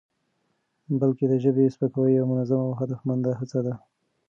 بلکې د ژبني سپکاوي یوه منظمه او هدفمنده هڅه ده؛